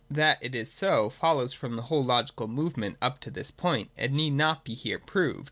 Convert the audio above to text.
That it is so follows from the whole logical movement up to this point, and need not be here proved.